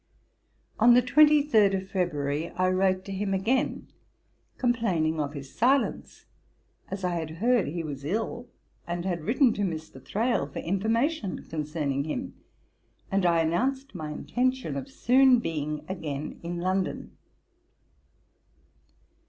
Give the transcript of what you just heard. On the 23rd of February I wrote to him again, complaining of his silence, as I had heard he was ill, and had written to Mr. Thrale, for information concerning him; and I announced my intention of soon being again in London.